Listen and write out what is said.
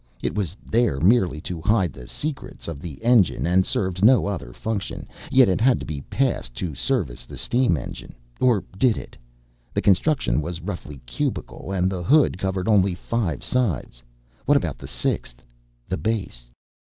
It was there merely to hide the secrets of the engine, and served no other function. Yet it had to be passed to service the steam engine or did it? The construction was roughly cubical, and the hood covered only five sides. What about the sixth, the base?